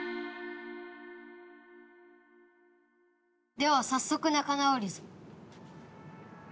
では早速仲直りぞ。